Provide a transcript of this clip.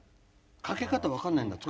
かけ方分からないんだってね。